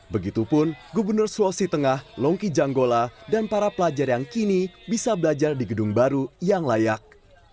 begitupun gubernur sulawesi tengah longki janggola dan para pelajar yang kini bisa belajar di gedung baru yang layak